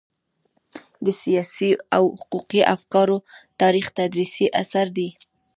د سياسي او حقوقي افکارو تاریخ تدريسي اثر دی.